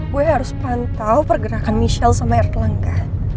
gue harus pantau pergerakan michelle sama erlangga